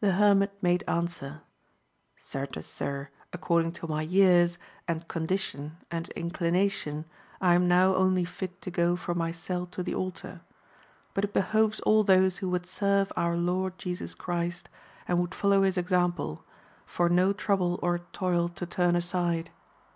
The hermit made answer, Certes, sir, according to my years, and condition, and inclination, I am now only fit to go from my cell to the altar ; but it behoves all those who would serve our Lord Jesus Christ, and would follow his example, for no trouble or toil to turn aside.